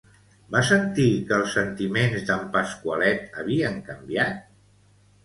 Va sentir que els sentiments d'en Pasqualet havien canviat?